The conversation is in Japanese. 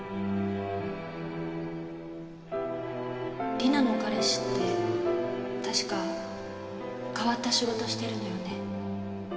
里奈の彼氏って確か変わった仕事してるのよね？